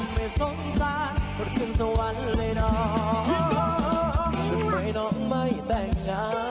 หน้าหลักนะแต๊ง